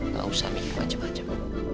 gak usah mikir macem macem